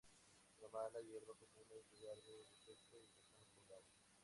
Una mala hierba común en lugares de desecho y las zonas pobladas.